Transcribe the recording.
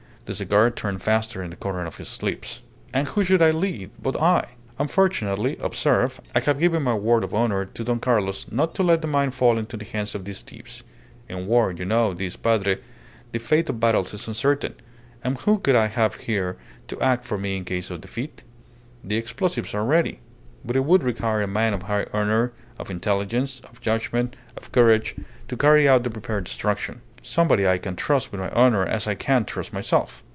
The cigar turned faster in the corner of his lips. "And who should lead but I? Unfortunately observe I have given my word of honour to Don Carlos not to let the mine fall into the hands of these thieves. In war you know this, Padre the fate of battles is uncertain, and whom could I leave here to act for me in case of defeat? The explosives are ready. But it would require a man of high honour, of intelligence, of judgment, of courage, to carry out the prepared destruction. Somebody I can trust with my honour as I can trust myself.